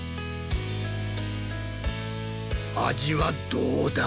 味はどうだ？